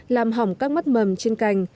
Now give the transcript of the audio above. làm hỏng các mắt mầm trên cành